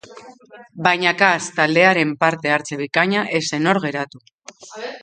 Baina Kas taldearen parte-hartze bikaina ez zen hor geratu.